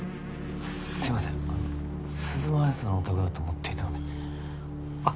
すいません鈴間亜矢さんのお宅だと思っていたのであっ